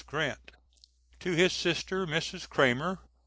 GRANT. [To his sister, Mrs. Cramer.